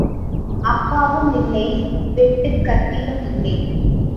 அப்பாவும் இல்லை வெட்டுக் கத்தியும் இல்லை.